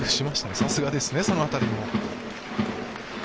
さすがですね、その辺りも。